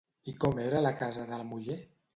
I com era la casa de la muller?